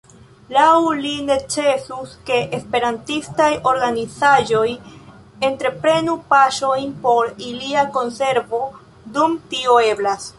Laŭ li necesus, ke esperantistaj organizaĵoj entreprenu paŝojn por ilia konservo, dum tio eblas.